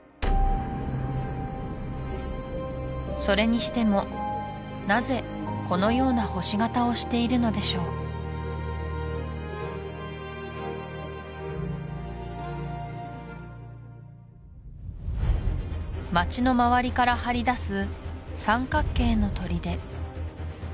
それにしてもなぜこのような星形をしているのでしょう街の周りから張り出す三角形の砦